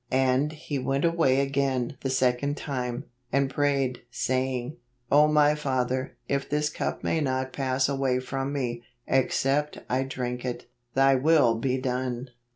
4 ' And he went away again the second time, and prayed, saying, O my Father, if this cup may not pass away from me, except I drink it, thy will be done